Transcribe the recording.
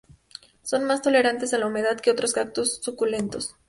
Son más tolerantes a la humedad que otros cactus suculentos.